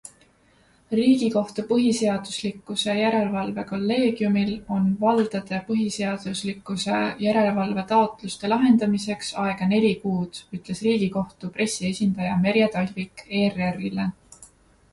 Riigikohtu põhiseaduslikkuse järelevalve kolleegiumil on valdade põhiseaduslikkuse järelevalve taotluste lahendamiseks aega neli kuud, ütles riigikohtu pressiesindaja Merje Talvik ERR-ile.